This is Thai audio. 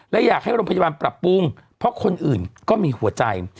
และอยากให้โรงพยาบาลปรับปรุงเพราะคนอื่นก็มีหัวใจ